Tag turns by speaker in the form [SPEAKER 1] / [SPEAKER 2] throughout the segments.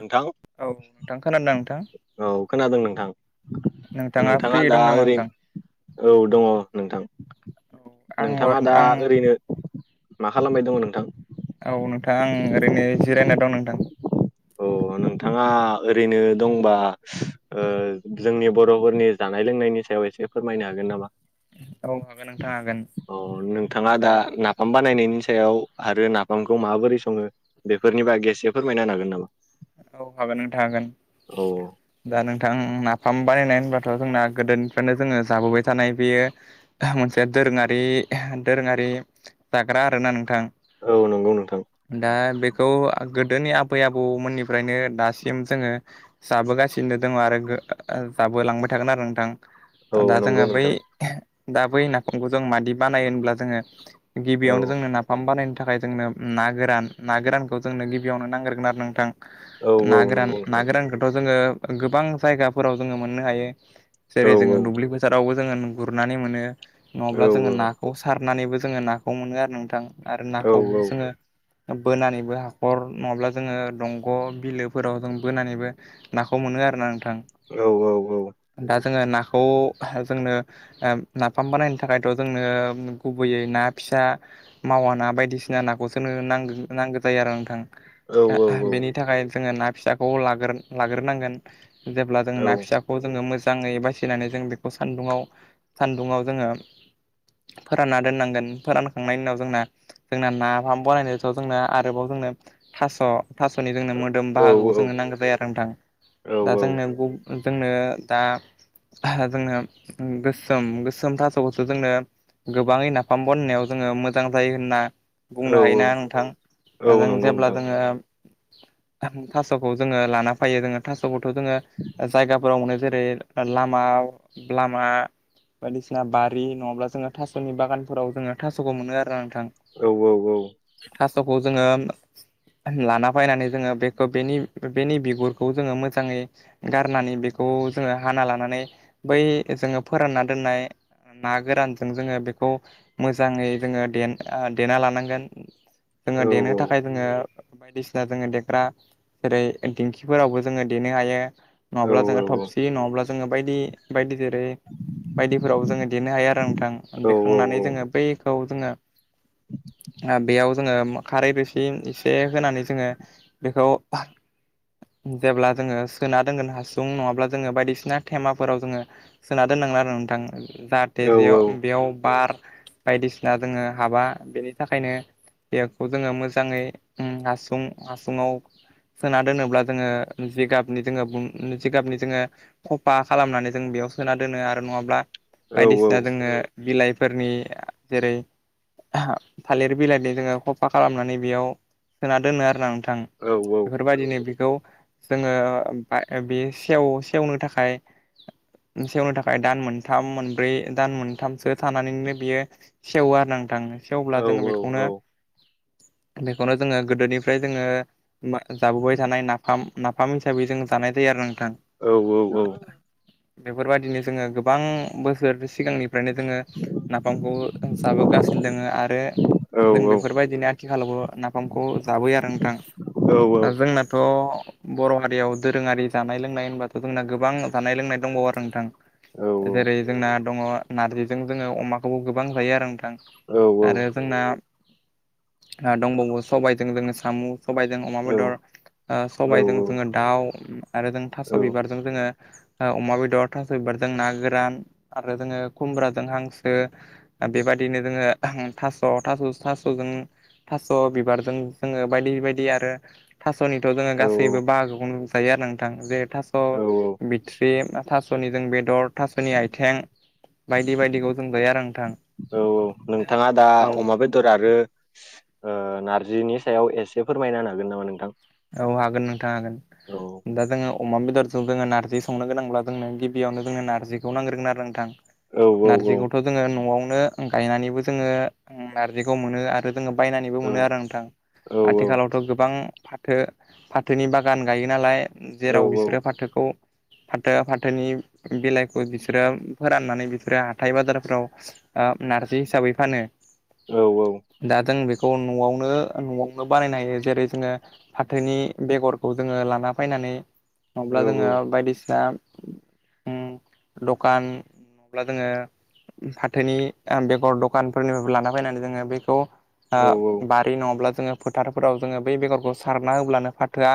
[SPEAKER 1] नोंथां
[SPEAKER 2] औ नोंथां खोनादों नोंथां
[SPEAKER 1] औ खोनादों नोंथां।
[SPEAKER 2] फ्रि
[SPEAKER 1] नोंथाङा दा
[SPEAKER 2] दं नामा नोंथां
[SPEAKER 1] ओरैनो? औ नोंथां।
[SPEAKER 2] औ आं
[SPEAKER 1] नोंथाङा
[SPEAKER 2] हर
[SPEAKER 1] दा
[SPEAKER 2] आं
[SPEAKER 1] ओरैनो मा खालामबाय दङ नोंथां?
[SPEAKER 2] औ नोंथां आं ओरैनो जिरायना दं नोंथां।
[SPEAKER 1] औ नोंथाङा ओरैनो दंबा ओ जोंनि बर'फोरनि जानाय लोंनायनि स याव एसे फोरमायनो हागोन नामा?
[SPEAKER 2] औ हागोन नोंथां हागोन
[SPEAKER 1] अ नोंथाङा दा नाफाम बानायनायनि सायाव आरो नाफामखौ माबोरै सङो बेफोरनि बागै एसे फोरमायना हागोन नामा?
[SPEAKER 2] औ हागोन नोंथां हागोन।
[SPEAKER 1] औ
[SPEAKER 2] दा नोंथां नाफाम बानायनाय होनबाथ' जोंना गोदोनिफ्रायनो जोङो जाबोबाय थानाय बेयो मोनसे दोरोङारि दोरोङारि जाग्रा आरोना नोंथां।
[SPEAKER 1] औ नंगौ नोंथां।
[SPEAKER 2] खौ गोदोनि आबै आबौमोननि फ्रायनो दासिम जोङो जाबोगासिनो दङ आरो गो जालांबाय थागोन आरो नोंथां।
[SPEAKER 1] औ
[SPEAKER 2] दा
[SPEAKER 1] नंगौ
[SPEAKER 2] जोङो बै
[SPEAKER 1] नोंथां
[SPEAKER 2] दा बै नाफामखौ जों मादि बानायो होनब्ला जोङो
[SPEAKER 1] औ
[SPEAKER 2] गिबियावनो जोंनो नाफाम बानायनो थाखाय जोंनो ना गोरान ना गोरानखौ जोंनो गिबियावनो नांग्रोगोन आरो नोंथां।
[SPEAKER 1] औ
[SPEAKER 2] ना
[SPEAKER 1] औ
[SPEAKER 2] गोरान
[SPEAKER 1] नंगौ
[SPEAKER 2] ना
[SPEAKER 1] नोंथां
[SPEAKER 2] गोरानखौथ' जोङो गोबां जायगाफोराव जोङो मोननो हायो।
[SPEAKER 1] औ
[SPEAKER 2] जेरै जोङो दुब्लि फोथारावबो जोङो गुरनानै मोनो। नङाब्ला
[SPEAKER 1] औ
[SPEAKER 2] जोङो नाखौ सार सारनानैबो जोङो नाखौ मोनो आरो नोंथां। आरो
[SPEAKER 1] औ
[SPEAKER 2] नाखौ जोङो बोनानैबो हाखर नङाब्ला जोङो दंग ग' बिलोफोराव जों बोनानैबो नाखौ मोनो आरोना। नोंथां
[SPEAKER 1] औ औ औ।
[SPEAKER 2] दा जोङो नाखौ जोंनो नाफाम बानायनो थाखायथ' जोंनो गुबैयै ना फि फिसा मावा ना बायदिसिना नाखौसोनो नांग्र- नांगौ जायो आरो नोंथां।
[SPEAKER 1] औ औ औ।
[SPEAKER 2] बेनि थाखाय जोङो ना फिसाखौ लागोर-लाग्रोनांगोन जेब्ला जोङो
[SPEAKER 1] औ
[SPEAKER 2] ना
[SPEAKER 1] औ
[SPEAKER 2] फिसाखौ जोङो मोज जाङै बासिनानै जों बेखौ सान्दुङाव- सान्दुङाव जोङो फोरानना दोननांगोन फोरानखांनायनि उनाव जोंना जोंना नाफाम बानायनाय जोंना आरोबाव जों नो थास' थास जोंनो मोदोम
[SPEAKER 1] औ
[SPEAKER 2] बाहागो जोंनो नांगो जायो नोंथां। दा
[SPEAKER 1] औ
[SPEAKER 2] जोंनो गु जोंनो दा जोंनो गोसोम गोसोम थास'खौसो जोंनो गोबाङै नाफाम बानायनायाव जोङो मोजां जायो होनना
[SPEAKER 1] औ
[SPEAKER 2] बुंनो हायोना नोंथां?
[SPEAKER 1] औ
[SPEAKER 2] जों
[SPEAKER 1] नंगौ
[SPEAKER 2] जेब्ला
[SPEAKER 1] नोंथां
[SPEAKER 2] जोङो थास'खौ जोङो लाना फैयो जोङो थास'खौथ' जोङो जायगाफोरावनो जेरै लामा-लामा बायदिसिना बारि नङाब्ला जोङो थास'नि बागानफोराव जोङो थास'खौ मोनो आरोना नोंथां।
[SPEAKER 1] औ औ
[SPEAKER 2] थास'खौ जोङो लाना बेनि बिगुरखौ जोङो मोजाङै गारनानै बेखौ जोङो गारना लानानै बै जोङो फोरानना दोननाय ना गोरानजों जोङो बेखौ मोजाङै जोङो देना लानांगोन। जोङो
[SPEAKER 1] औ
[SPEAKER 2] देनो थाखाय जोङो बायदिसिना जोङो देग्रा जेरै दिंखिफोरावबो जोङो देनो हायो।
[SPEAKER 1] औ
[SPEAKER 2] नंङाब्ला जोंङो थबसि नङाब्ला जोंङो बायदि बायदि जेरै बायदिफोराव जोंङो देनो हायो आरो नोंथां
[SPEAKER 1] औ
[SPEAKER 2] देखांनानै जोंङो बैखौ जोंङो बेयाव जोंङो खारै बेसि एसे होनानै जोंङो बेखौ जेब्ला जोंङो सोना दोनगोन हासुं नङाब्ला जोंङो बायदिसिना तेमाफोराव जोंङो सोना दोन आरो नोंथां जाहाथे जे बेयाव बार बायदिसिना जोंङो हाबा बेनि थाखायनो बेखौ जोंङो मोजांङै हासुं हासुङाव सोना दोनोब्ला जोंङो जिगाबनि जोंङो जिगाबनि जोंङो बांसिन खफा खालामनानै जों बेयाव सोना दोनो आरो नंङाब्ला बायदिसिना जोंङो बिलाइफोरनि जेरै थालिर बिलाइनि जोंङो खफा खालामनानै बेयाव सोना दोनो आरोना नोंथां बेफोरबायदिनो बेखौ जोंङो बे सेव सेवनो थाखाय सेवनो थाखाय दान मोनथाम मोनब्रै दान मोनथामसो थानानैनो बियो सेवो आरो नं थांङो सेवब्ला अब्ला जोंङो बेखौनो बेखौनो जोंङो गोदोनि ओमफ्राय जोंङो जाबोबाय थानाय नाफाम नाफाम हिसाबै जों जानाय जायो आरो नोंथां
[SPEAKER 1] औ- औ- औ
[SPEAKER 2] बेफोरबायदिनो जोंङो गोबां बोसोर सिगांनि ओमफ्रायनो जोंङो नाफामखौ जाबोगासिनो दोंङो आरो
[SPEAKER 1] औ
[SPEAKER 2] जों बेफोरबायदिनो आथिखालावबो नाफामखौ जाबोयो आरो नोंथां जोंनाथ' बर' हारियाव दोरोंङारि जानाय लोंनाय होनबाथ' जोंना गोबां जानाय लोंनाय दंबावो आरो नोंथां जेरै जोंना दङ नारजिजों जोंङो अमाखौबो गोबां जायो आरो
[SPEAKER 1] औ
[SPEAKER 2] आरो जोंना दंबावो सबायजों सामु सबायजों अमा बेदर
[SPEAKER 1] औ
[SPEAKER 2] सबबायजों जोंङो दाउ आरो जों थास' बिबारजों जोंङो अमा बेदर थास' बिबारजों ना गोरान आरो जोंङो खुमब्राजों हांसो बेबायदिनो जोंङो थास' थास' थास'जों थास' बिबारजों जोंङो बायदि बायदि आरो थास'निथ' जोंङो गासैबो
[SPEAKER 1] नोंथाङा
[SPEAKER 2] बाहागोखौ नुजायो आरो नोंथां जे थास' बिथ्रि थास'निजों बेदर थास'नि आथिं बायदि बायदिखौ जों गैया आरो नोंथां
[SPEAKER 1] औ नोंथांङा दा
[SPEAKER 2] औ
[SPEAKER 1] अमा बेदर आरो नारजिनि सायाव एसे एसे फोरमायनो हागोन नामा नोंथां
[SPEAKER 2] औ हागोन नोंथां हागोन
[SPEAKER 1] औ
[SPEAKER 2] दा जोंङो अमा बेदरजों जोङो नारजि सं गोनांब्ला जोंनो गिबियावनो जोंनो नारजिखौ नांग्रोगोन आरो नोंथां
[SPEAKER 1] औ औ औ
[SPEAKER 2] नारजिखौथ' जोंङो न'आवनो गायनानैबो जोंङो नार्जिखौ मोनो आरो जोंङो बायनानैबो मोनो आरो नोंथां
[SPEAKER 1] औ औ
[SPEAKER 2] आथिखालावथ' गोबां फाथो फाथोनि बागान गायो नालाय जेराव बिसोरो फाथोखौ फाथो फाथोनि बेलाइखौ बिसोरो फोराननानै बिसोरो हाथथाय बाजारफ्राव नारजि हिसाबै फानो
[SPEAKER 1] औ - औ
[SPEAKER 2] दा जों न'आवनो न'आवनो बानायनो हायो जेरै जोंङो फाथोनि बेगरखौ जोंङो लाना फैनानै नङाब्ला
[SPEAKER 1] औ
[SPEAKER 2] जोंङो बायदिसिना दखान नंयाब्ला जोंङो । फाथोनि बेगर दखानफोरनिफ्राय लाना फैनानै जोंङो बेखौ। ओ
[SPEAKER 1] औ औ
[SPEAKER 2] बारि नंङाब्ला जोंङो फोथारफोराव जोंङो बै बेगरखौ सारना होब्लानो फाथोआ।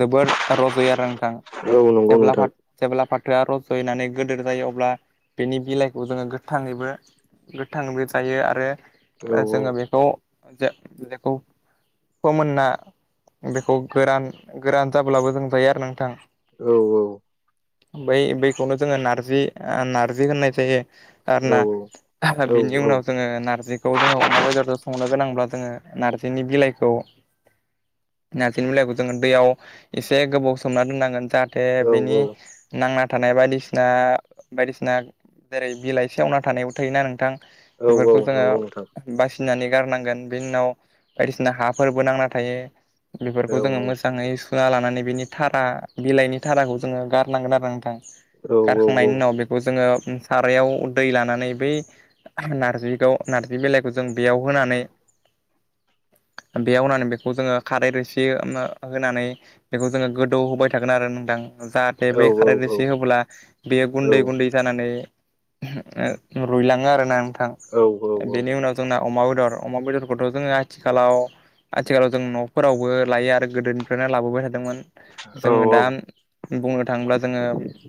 [SPEAKER 2] जोबोर रज' आरो नोंथां
[SPEAKER 1] औ नंगौ
[SPEAKER 2] जेब्ला
[SPEAKER 1] नोंथां
[SPEAKER 2] फा जेब्ला फा थोआ रज'यैनानै गोदोर जायो अब्ला बेनि बिलाइखौ जोंङो गोथाङैबो गोथांङैबो जायो आरो
[SPEAKER 1] औ
[SPEAKER 2] ओ जोंङो बेखौ-बेखौ फोमोनना। बेखौ गोरान-गोरान जाब्लाबो जों जायो आरो नोंथां।
[SPEAKER 1] औ-औ।
[SPEAKER 2] बै बैखौनो जोङो नारजि ओ नारजि होननाय जायो।
[SPEAKER 1] औ
[SPEAKER 2] आरोना
[SPEAKER 1] औ
[SPEAKER 2] बिनि उनाव जोङो नारजिखौ जोङो अमा बेदरजों संनो गोनांब्ला जोङो नारजिनि बिलाइखौ। नारजिनि बिलाइखौ जोङो दैयाव एसे गोबाव सोमना दोननांगोन जाहाथे
[SPEAKER 1] औ
[SPEAKER 2] बेनि
[SPEAKER 1] औ
[SPEAKER 2] नांना थानाय बायदिसिना-बायदिसिना जेरै- बिलाइसेवना थानायाव थायोना नोंथां।
[SPEAKER 1] औ औ
[SPEAKER 2] बेफोरखौ
[SPEAKER 1] नंगौ नोंथां
[SPEAKER 2] जोङो बसि नानै गारनांगोन बिनि उनाव बायदिसिना हाफोरबो नांना थायो। बेफोरखौ
[SPEAKER 1] औ
[SPEAKER 2] जोङो मोजाङै सु ना लानानै बिनि थारा बिलाइनि धाराखौ जोङो गारनांगोन आरो नोंथां।
[SPEAKER 1] औ औ औ
[SPEAKER 2] गारखांनायनि उनाव बेखौ जोङो सारायाव दै लानानै बै नार्जिद नार्जि बिलाइखौ जों बेयाव होनानै। बेयावनानै बेखौ जोङो खारै रोसि होनानै बेखौ जोङो गोदौ होबाय थागोन आरो नोंदां। जाहाथे
[SPEAKER 1] औ
[SPEAKER 2] बै
[SPEAKER 1] औ
[SPEAKER 2] खारै रोसि होब्ला बेयो गुन्दै गुन्दै जानानै। रुइलाङो आरोना नोंथां बेनि उनाव जोंना अमा बेदर अमा बेदरखौथ' जोङो आथिखालाव आथिखालाव जों न' फोरावबो लायो आरो गोदोनिफ्रायनो लाबोबाय थादोंमोन। जोङो दा बुंनो थाङोब्ला जोङो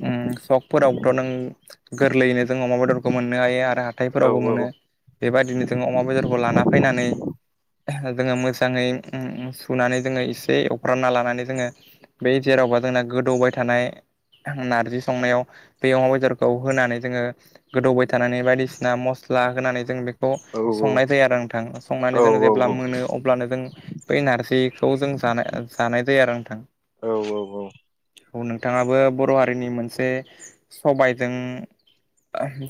[SPEAKER 2] उम सकफोरावबोथ' नों गोरलैयैनो जों अमा बेदरखौ मोननो हायो आरो हाथायफोरावबो मोनो। बेबायदिनो जोङो अमा बेदरखौ लाना फैनानै जोङो मोजाङै उम-उम। सुनानै जोङो एसे एवफ्रानना लानानै जोङो बे जेरावबा जोंना गोदौबाय थानाय नारजि संनायाव बे अमा बेदरखौ होनानै जोङो गोदौबाय थानानै बायदिसिना मस स्ला होनानै जों बे खौ संनाय जायो आरो नोंथां संनानै जोङो जेब्ला मोनो अब्लानो जों बै नार जिखौ जों जाना-जानाय जानाय जायो आरो नोंथां।
[SPEAKER 1] औ औ
[SPEAKER 2] औ नोंथाङाबो बर' हारिनि मोनसे सबायजों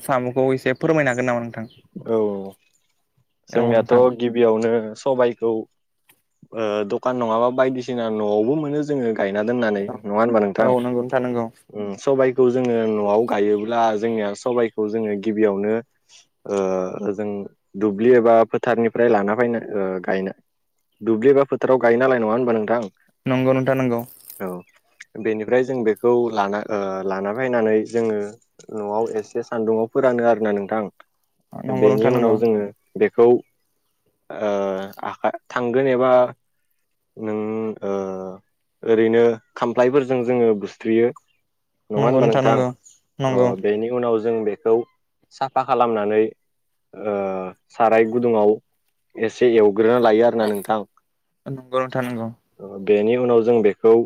[SPEAKER 2] । साम'खौ एसे फोरमायनो हागोन नामा नों
[SPEAKER 1] औ
[SPEAKER 2] औ
[SPEAKER 1] जोंनियाथ'
[SPEAKER 2] नोंथां
[SPEAKER 1] गिबियावनो सबायखौ। ओ दखान नङाबा बायदिसिना न'आवबो मोनो जोङो। गायना दोननानै नङा होनबा
[SPEAKER 2] औ
[SPEAKER 1] नोंथां?
[SPEAKER 2] नंगौ नोंथां नंगौ
[SPEAKER 1] उम सबाय खौ जोङो न'आव गायोब्ला जोंनिया सबबायखौ जोङो गिबियावनो। ओ जों दुब्लि एबा फोथारनिफ्राय लाना फैनाय गायना दुब्लिबा फोथाव गायो नालाय नङा होनोमबा नोंथां?
[SPEAKER 2] नंगौ नोंथा नंगौ।
[SPEAKER 1] औ बेनिफ्राय जों बेखौ लाना ओ लाना फैनानै जोङो न'आव एसे सान्दुंङाव। फोरानो आरोना नोंथां
[SPEAKER 2] नंगौ
[SPEAKER 1] बेनि
[SPEAKER 2] नोंथां नंगौ
[SPEAKER 1] उनाव जोङो बेखौ ओ आखा थांगोन एबा नों ओ ओरैनो खामफ्लायफोरजों जोङो बुसथ्रियो। नङा
[SPEAKER 2] नंगौ
[SPEAKER 1] होनबा
[SPEAKER 2] नंगौ
[SPEAKER 1] नोंथां? अ
[SPEAKER 2] नंगौ
[SPEAKER 1] बेनि उनाव जो जों बेखौ साफा खालामनानै। ओ साराय गुदुङाव एसे एवग्रोना लायो आरोना नोंथां।
[SPEAKER 2] नंगौ नोंथां नंगौ।
[SPEAKER 1] बेनि उनाव जों बेखौ ओ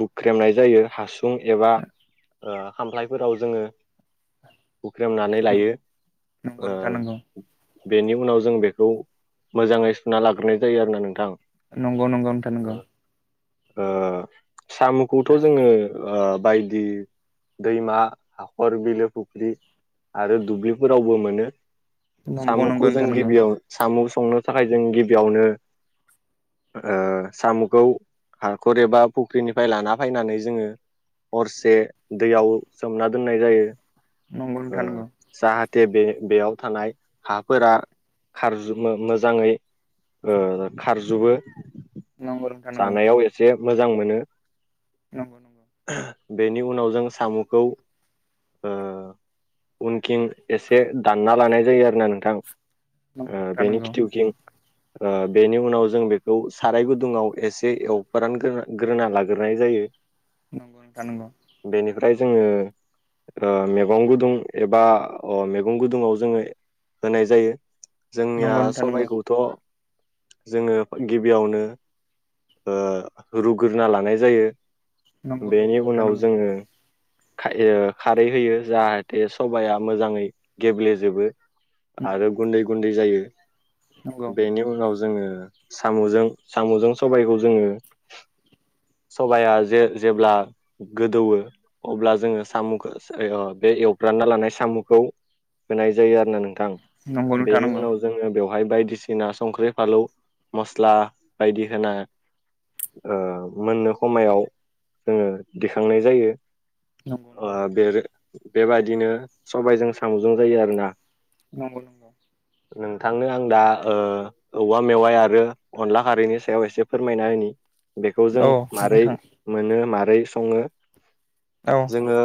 [SPEAKER 1] हुख्रेमनाय जायो हासुं एबा ओ खामफ्लायफोराव जोङो हुख्रेमनानै लायो।
[SPEAKER 2] नंगौ नंगौ नोंथां नंगौ
[SPEAKER 1] बेनि उनाव जों बेखौ मोजाङै सुना लाग्रोनाय जायो आरोना नोंथां।
[SPEAKER 2] नंगौ नंगौ नोंथां नंगौ।
[SPEAKER 1] ओ सामु'खौथ' जोङो ओ बायदि दैमा हाखर बिलो फुख्रि आरो दुब्लिफोरावबो मोनो
[SPEAKER 2] नंगौ
[SPEAKER 1] सामु'खौ जों गिबियाव सामु' संनो थाखाय जों गिबियावनो ओ सामु'खौ हाखर एबा फुख्रिनिफ्राय लाना फायनानै जोङो हरसे दैयाव सोमना दोननाय जायो। ओ
[SPEAKER 2] नोंथां नंगौ
[SPEAKER 1] जाहाते बे बेयाव थानाय हाफोरा खारजोमो मोजाङै ओ खारजोबो।
[SPEAKER 2] नंगौ नोंथां नंगौ।
[SPEAKER 1] मोजां मोनो
[SPEAKER 2] नंगौ
[SPEAKER 1] बेनि उनाव जों सामु'खौ ओ उनखिं एसे दानना लानाय जायो आरोना नोंथां। ओ
[SPEAKER 2] नोंथां
[SPEAKER 1] बेनि
[SPEAKER 2] नंगौ
[SPEAKER 1] खिथिउखिं ओ बेनि उनाव जों बेखौ साराय गुदुङाव एसे एवफ्रानग्रोन ग्रोना लाग्रोनाय जायो।
[SPEAKER 2] नंगौ नोंथां नंगौ।
[SPEAKER 1] ओमफ्राय जोङो ओ मेगं गुदुं एबा अ मेगं गुदुङाव जोङो होनाय जायो। जोंनिया
[SPEAKER 2] नंगौ नोंथां नंगौ
[SPEAKER 1] सबायखौथ' जोङो गिबियावनो ओ रुग्रोना लानाय जायो।
[SPEAKER 2] नंगौ नोंथां नंगौ नंगौ
[SPEAKER 1] बेनि
[SPEAKER 2] नोंथां
[SPEAKER 1] उनाव
[SPEAKER 2] नंगौ नंगौ नोंथां नंगौ
[SPEAKER 1] जोङो खाय ओ खारै होयो जाहाथे सबाइया मोजाङै गेब्लेजोबो।
[SPEAKER 2] नंगौ
[SPEAKER 1] आरो गुन्दै गुन्दै जायो
[SPEAKER 2] नंगौ
[SPEAKER 1] बेनि उनाव जोङो सामु'जों साम'जों सबायखौ जोङो सबाइया जे-जेब्ला गोदौवो अब्ला जोङो सामु'खौ बे एवफ्रानना लानाय सामु'खौ होनाय जायो आरो ना नों थां बेनि उनाव जोङो बेवहाय बायदिसिना संख्रि फालौ, मस्ला बायदि होना ओ मोननो हमायाव जोङो दिखांनाय जायो। ओ बे रो बेबायदिनो सबायजों सामु'जों जायो आरोना।
[SPEAKER 2] नंगौ नंगौ।
[SPEAKER 1] नोंथांनो आं दा ओ औवा मेवाइ आरो अनला खारैनि सायाव एसे फोरमायना होनि। बेखौ जों
[SPEAKER 2] औ
[SPEAKER 1] मारै
[SPEAKER 2] नोंथां
[SPEAKER 1] मोनो मारै सङो
[SPEAKER 2] औ
[SPEAKER 1] जोङो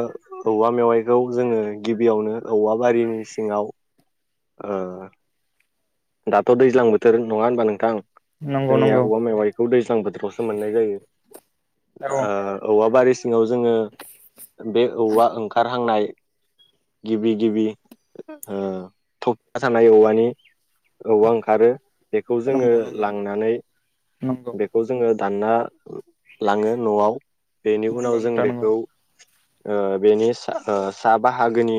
[SPEAKER 1] औवा मेवाइखौ जोङो गिबियावनो औवा बारिनि सिङाव ओ दाथ' दैज्लां बोथोर नङा होनबा नोंथां?
[SPEAKER 2] नंगौ
[SPEAKER 1] जोंनिया
[SPEAKER 2] नंगौ
[SPEAKER 1] औवा मेवाइखौ दैज्लां बोथोरावसो मोननाय जायो।
[SPEAKER 2] औ
[SPEAKER 1] ओ औवा बारि सिङाव जोङो बे औवा ओंखारहांनाय गिबि गिबि ओ थब सानाय औवानि औवा ओंखारो बेखौ जोङो
[SPEAKER 2] नंगौ नंगौ
[SPEAKER 1] लांनानै
[SPEAKER 2] नंगौ नंगौ
[SPEAKER 1] बेखौ जोङो दानना लाङो न'आव बेनि उनाव जों
[SPEAKER 2] नोंथां नंगौ
[SPEAKER 1] बेखौ ओ बेनि सा ओ सा बाहागोनि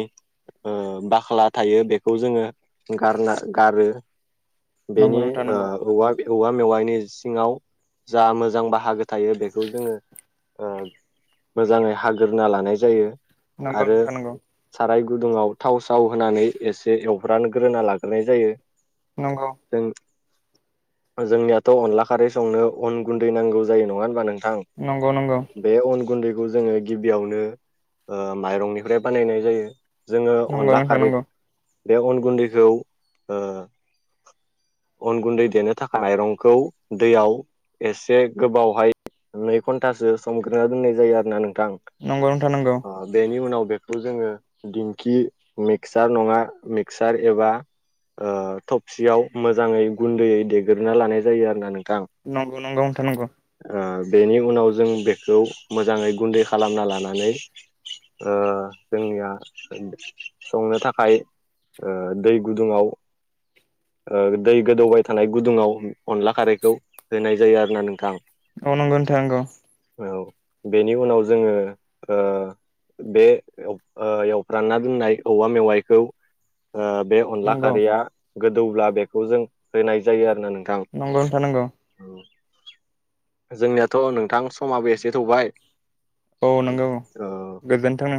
[SPEAKER 1] ओ बाख्ला थायो बेखौ जोङो गारना गारो। बेनि
[SPEAKER 2] नंगौ नोंथां
[SPEAKER 1] ओ
[SPEAKER 2] नंगौ
[SPEAKER 1] औवा बि औवा मेवाइनि सिङाव जा मोजां बाहागो थायो बेखौ जोङो ओ मोजाङै हागोरना लानाय जायो।
[SPEAKER 2] नंगौ
[SPEAKER 1] आरो
[SPEAKER 2] नोंथां नंगौ।
[SPEAKER 1] साराय गुदुङाव थाव साव होनानै एसे एवफ्रान ग्रोना लाग्रोनाय जायो।
[SPEAKER 2] नंगौ।
[SPEAKER 1] जों जोंनियाथ' अनला खारै संनो अन गुन्दै नांगौ जायो नङा होनबा नों नोंथां?
[SPEAKER 2] नंगौ नंगौ नंगौ
[SPEAKER 1] बे उन गुन्दै बेखौ जोङो गिबियावनो ओं माइरंनिफ्राय बानायनाय जायो। जोङो
[SPEAKER 2] नंगौ
[SPEAKER 1] अनला
[SPEAKER 2] नोंथां
[SPEAKER 1] खारै
[SPEAKER 2] नंगौ
[SPEAKER 1] बे अन गुन्दैखौ ओ अन गुन्दै देनो थाखाय माइरंखौ दैयाव एसे गोबावहाय नै घन्टासो संग्रोना दोननाय जायो आरो ना नोंथां
[SPEAKER 2] नंगौ नोंथां नंगौ
[SPEAKER 1] अ बेनि उनाव बे खौ जोङो दिंखि मिक्सार नङा मिक्सार एबा ओ थबसियाव मोजाङै गुन्दैयै देगोरना लानाय जायो आर ना नों
[SPEAKER 2] नंगौ नंगौ नोंथा नंगौ।
[SPEAKER 1] बेनि उनाव जों बेखौ मोजाङै गुन्दै खालामना लानानै ओ जों निया संनो थाखाय ओ दै गुदुङाव ओ दै गोदौबाय थानाय गुदुङाव अनला खारैखौ होनाय जायो आरो ना नोंथां।
[SPEAKER 2] औ नंगौ नोंथां नंगौ।
[SPEAKER 1] औ बेनि उनाव जोङो ओ बे एव ओ एवफ्रानना दोननाय औवा मेवाइखौ ओ बे अनला
[SPEAKER 2] नंगौ
[SPEAKER 1] खारैया गोदौब्ला बेखौ जों होनाय जायो आरो ना नों
[SPEAKER 2] नंगौ नोंथां नोंगौ।
[SPEAKER 1] जोंनियाथ' नोंथां समाबो एसे थौबाय।
[SPEAKER 2] औ नंगौ
[SPEAKER 1] ओ
[SPEAKER 2] गोजोन्थों नों